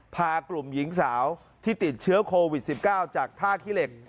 พากลุ่มหญิงสาวที่ติดเชื้อโควิด๑๙จากท่าขี้เหล็ก